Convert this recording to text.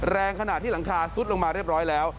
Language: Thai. แรงขนาดที่หลังคาซุดลงมาเรียบร้อยแล้ว